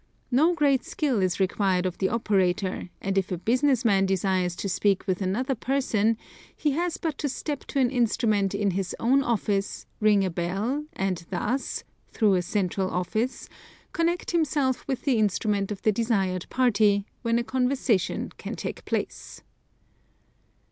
No great skill is required of the operator, and if a business man desires to speak with another person he has but to step to an instrument in his own office, ring a bell, and thus, through a central office, connect himself with the instrument of the desired party, when a conversation can take place.